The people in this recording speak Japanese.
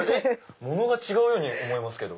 物が違うように思えますけど。